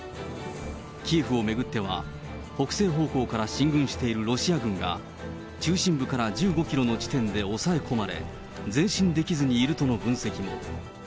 キエフを巡っては、北西方向から進軍しているロシア軍が、中心部から１５キロの地点で抑え込まれ、前進できずにいるとの分析も。